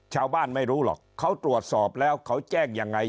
ไม่รู้หรอกเขาตรวจสอบแล้วเขาแจ้งยังไง